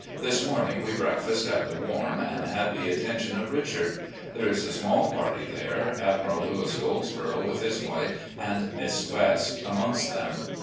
This morning we breakfasted at the Warm and had the attention of Richard. There is a small party there, Admiral Louis Goldsborough with his wife and Miss West amongst them.